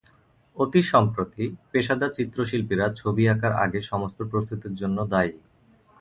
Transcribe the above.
অতি সম্প্রতি, পেশাদার চিত্রশিল্পীরা ছবি আঁকার আগে সমস্ত প্রস্তুতির জন্য দায়ী।